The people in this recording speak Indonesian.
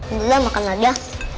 itulah makanan ya